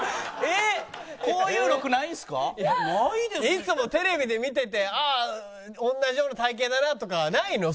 いつもテレビで見てて「ああ同じような体形だな」とかはないの？